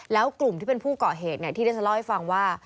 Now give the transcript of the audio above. แล้วกลุ่มที่เป็นผู้เกาะเหตุที่ได้ฉันเล่าให้ฟังว่า